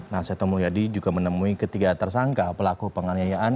nah seto muayadi juga menemui ketiga tersangka pelaku penganyayaan